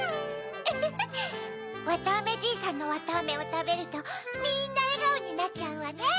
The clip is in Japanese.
フフフわたあめじいさんのわたあめをたべるとみんなえがおになっちゃうわね。